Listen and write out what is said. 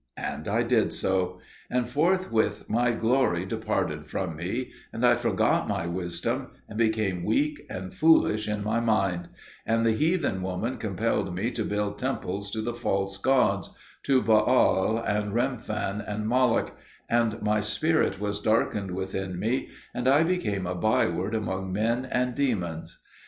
And I did so. And forthwith my glory departed from me, and I forgot my wisdom, and became weak and foolish in my mind; and the heathen woman compelled me to build temples to the false gods, to Baal, and Remphan, and Moloch; and my spirit was darkened within me, and I became a byword among men and demons.